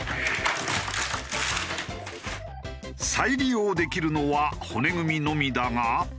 再利用できるのは骨組みのみだが。